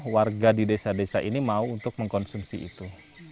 warga di desa desa ini mau untuk mengkonsumsi itu